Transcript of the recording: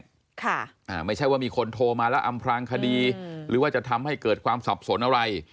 ส่วนกรณีมีคนโทรมาบอกว่าไม่ใช่ว่ามีคนโทรมาแล้วอำพลังคดีหรือว่ามันจะทำให้เกิดความสับสนอะไร